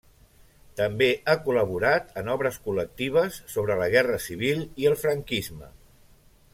També ha col·laborat en obres col·lectives sobre la guerra civil i el franquisme.